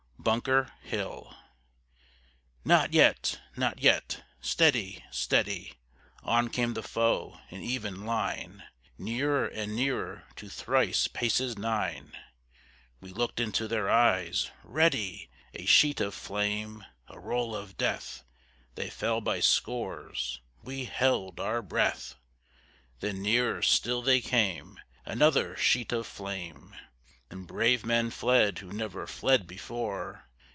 BUNKER HILL "Not yet, not yet; steady, steady!" On came the foe, in even line: Nearer and nearer to thrice paces nine. We looked into their eyes. "Ready!" A sheet of flame! A roll of death! They fell by scores; we held our breath! Then nearer still they came; Another sheet of flame! And brave men fled who never fled before.